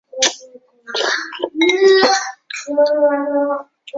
普雷斯帕湖是位于东南欧巴尔干半岛上的一个湖泊。